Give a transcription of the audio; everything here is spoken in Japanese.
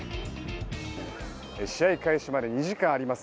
試合開始まで２時間あります。